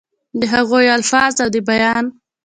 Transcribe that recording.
دَ هغوي الفاظ او دَ بيان